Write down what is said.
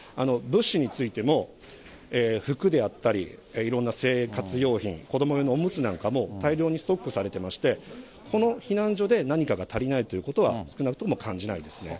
物資についても、服であったり、いろんな生活用品、子ども用のおむつなんかも、大量にストックされていまして、この避難所で何かが足りないということは少なくとも感じないです